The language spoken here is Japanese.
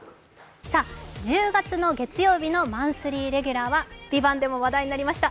１０月の月曜日のマンスリーレギュラーは「ＶＩＶＡＮＴ」でも話題になりました